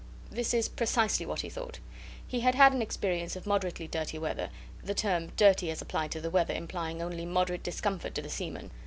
This is precisely what he thought. He had had an experience of moderately dirty weather the term dirty as applied to the weather implying only moderate discomfort to the seaman.